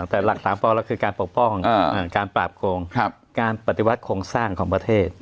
แต่หลัก๓ปแล้วคือการปกป้องการปราบโกงการปฏิวัติโครงสร้างของประเทศ